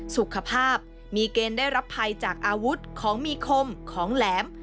สุขภาพมีเกณฑ์ได้รับภัยจากอาวุธของมีคมของแหลม